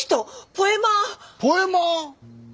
ポエマー？